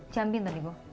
jam bintang ibu